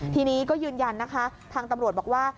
ทีนี้ก็ยืนยันนะคะทางตำรวจบอกว่า